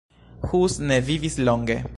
Hus ne vivis longe.